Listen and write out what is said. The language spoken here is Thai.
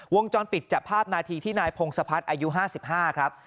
วงจรปิดจับภาพนาทีที่นายพงศพัฒน์อายุ๕๕ครับ